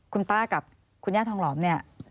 คุณป้ากับคุณย่าทองหลอมเนี่ย